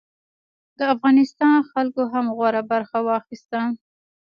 د افغانستان خلکو هم غوره برخه واخیسته.